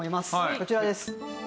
こちらです。